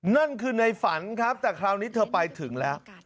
นั่นคือในฝันครับแต่คราวนี้เธอไปถึงแล้ว